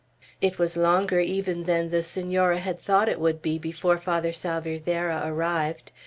IV IT was longer even than the Senora had thought it would be, before Father Salvierderra arrived.